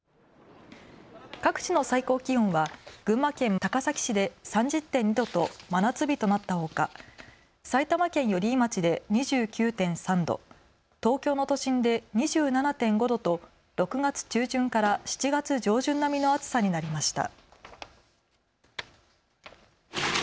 各地の最高気温は群馬県高崎市で３０．２度と真夏日となったほか埼玉県寄居町で２９．３度、東京の都心で２７．５度と６月中旬から７月上旬並みの暑さになりました。